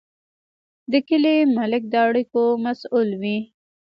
د کلي ملک د اړیکو مسوول وي.